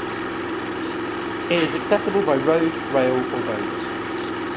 It is accessible by road, rail or boat.